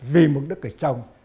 vì mục đích của chồng